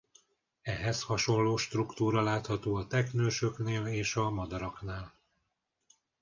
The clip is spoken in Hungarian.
Ehhez hasonló struktúra látható a teknősöknél és a madaraknál.